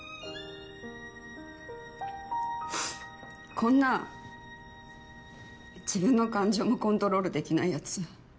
こんな自分の感情もコントロールできないやつ